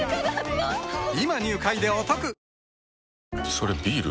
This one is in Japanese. それビール？